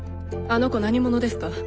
あの子何者ですか？